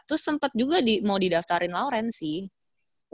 terus sempet juga mau didaftarin lauren sih